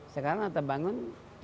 sekarang kita bangun tujuh ribu dua ratus